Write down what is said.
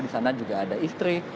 di sana juga ada istri